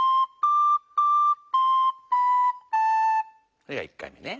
これが１回目ね。